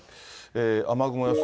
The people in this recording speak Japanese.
雨雲予想